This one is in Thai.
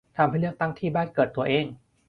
ทำให้เลือกตั้งที่บ้านเกิดตัวเอง